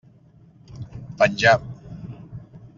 Penjà.